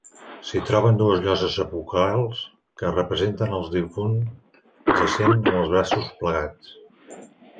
S'hi troben dues lloses sepulcrals que representen el difunt jacent amb els braços plegats.